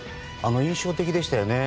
印象的でしたよね。